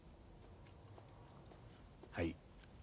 はい。